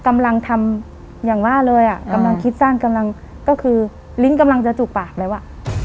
กำลังทำอย่างว่าเลยอ่ะกำลังคิดสั้นกำลังก็คือลิ้นกำลังจะจุกปากแล้วอ่ะ